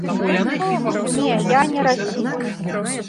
Не, я не расіст.